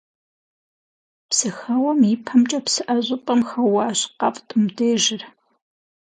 Псыхэуэм и пэмкӀэ псыӀэ щӀыпӀэм хэуащ: «КъэфтӀ мыбдежыр.».